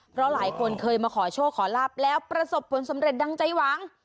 เพราะหลายคนเคยมาขอโชคขอลาบแล้วประสบผลสำเร็จดังใจหวัง